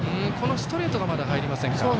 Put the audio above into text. ストレートが、まだ入りませんか。